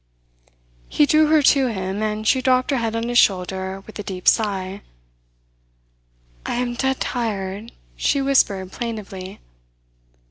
He drew her to him, and she dropped her head on his shoulder with a deep sigh. "I am dead tired," she whispered plaintively.